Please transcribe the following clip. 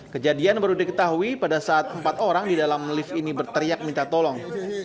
kejadian baru diketahui pada saat empat orang di dalam lift ini berteriak minta tolong